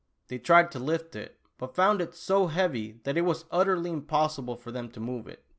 They tried to lift it, but found it so heavy that it was utterly impossible for them to move it.